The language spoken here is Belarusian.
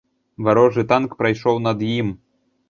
Варожы танк прайшоў над ім.